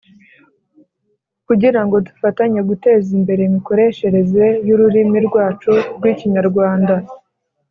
kugirango dufatanye guteza imbere imikoreshereze y’ururimi rwacu rw’Ikinyarwanda